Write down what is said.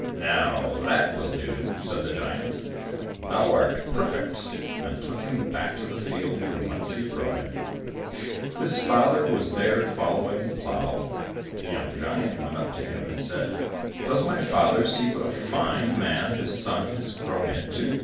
"Now that will do," said the giant, "thou art perfect," and took him back to the field from whence he had brought him. His father was there following the plough. The young giant went up to him, and said, "Does my father see what a fine man his son has grown into?"